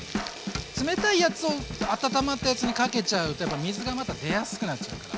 冷たいやつを温まったやつにかけちゃうとやっぱ水がまた出やすくなっちゃうから。